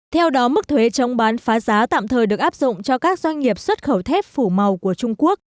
theo đó mức thuế chống bán phá giá tạm thời được áp dụng cho các doanh nghiệp xuất khẩu thép phủ màu của trung quốc